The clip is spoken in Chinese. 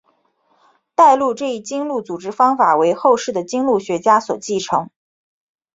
代录这一经录组织方法为后世的经录学家所继承。